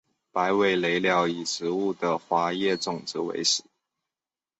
白尾雷鸟以植物的花叶种子为食。